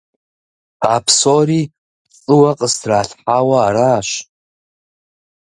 А псори пцӀыуэ къыстралъхьауэ аращ.